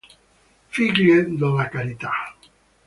Figlie della Carità